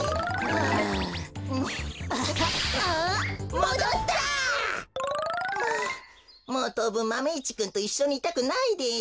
もうとうぶんマメ１くんといっしょにいたくないです。